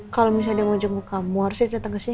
kalau misalnya dia mau jenguk kamu harusnya dia datang kesini